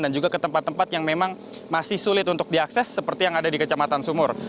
dan juga ke tempat tempat yang memang masih sulit untuk diakses seperti yang ada di kecamatan sumur